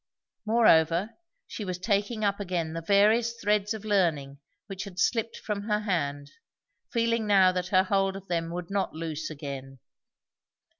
Moreover, she was taking up again the various threads of learning which had slipped from her hand, feeling now that her hold of them would not loose again.